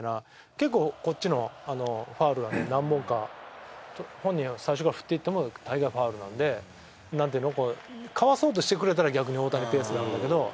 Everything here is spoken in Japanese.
結構こっちのファウルは何本か本人が最初から振っていったものが大概ファウルなんで。なんていうのかわそうとしてくれたら逆に大谷ペースなんだけど。